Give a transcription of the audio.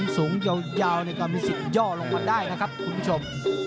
สูงยาวก็มีสิทธิ์ย่อลงมาได้นะครับคุณผู้ชม